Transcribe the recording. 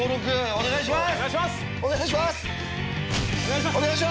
お願いします！